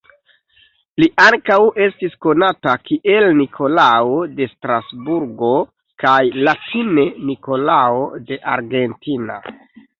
Li ankaŭ estis konata kiel Nikolao de Strasburgo kaj latine Nikolao de Argentina.